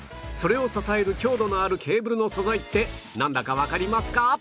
それを支える強度のあるケーブルの素材ってなんだかわかりますか？